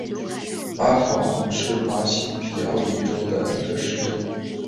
阿考昂是巴西皮奥伊州的一个市镇。